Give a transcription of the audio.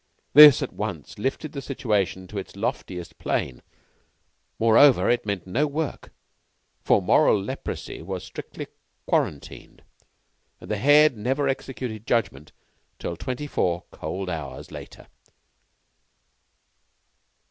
This at once lifted the situation to its loftiest plane. Moreover, it meant no work, for moral leprosy was strictly quarantined, and the Head never executed judgment till twenty four cold hours later.